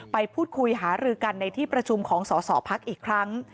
ไปพูดคุยหารือกันในที่ประชุมของสอสอพักอีกครั้ง